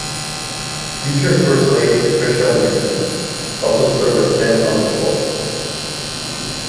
Future First Lady Patricia Nixon also served a stint on the floor.